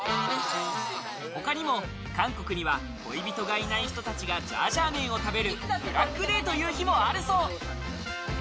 他にも韓国には恋人がいない人たちが、ジャージャー麺を食べるブラックデーという日もあるそう。